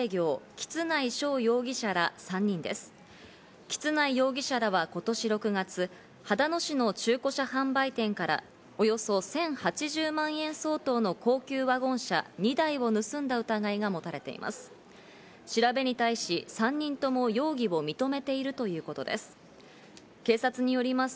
橘内容疑者らは今年６月、秦野市の中古車販売店からおよそ１０８０万円相当の高級ワゴン車２台を盗んだ疑いが持たれています。